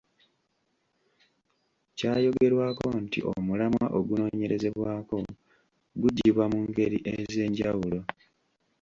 Kyayogerwako nti omulamwa ogunoonyerezebwako guggyibwa mu ngeri ez’enjawulo.